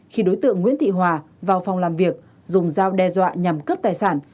khi đối tượng nguyễn thị hòa vào phòng làm việc dùng dao đe dọa nhằm cướp tài sản